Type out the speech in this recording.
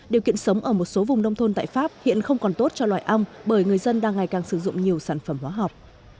điều kiện sống ở một số vùng nông thôn tại pháp hiện không còn tốt cho loài ong bởi người dân đang ngày càng sử dụng nhiều sản phẩm hóa học